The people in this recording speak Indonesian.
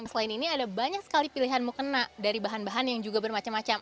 selain ini ada banyak sekali pilihan mukena dari bahan bahan yang juga bermacam macam